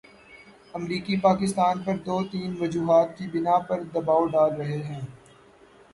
امریکی پاکستان پر دو تین وجوہات کی بنا پر دبائو ڈال رہے ہیں۔